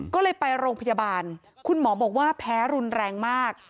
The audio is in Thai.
ก็เลยไปโรงพยาบาลคุณหมอบอกว่าแพ้รุนแรงมาก